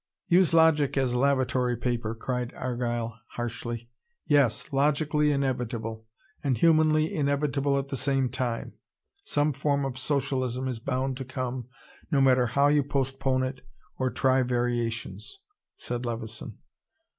"Use logic as lavatory paper," cried Argyle harshly. "Yes logically inevitable and humanly inevitable at the same time. Some form of socialism is bound to come, no matter how you postpone it or try variations," said Levison.